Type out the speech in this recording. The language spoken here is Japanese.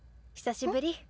久しぶり。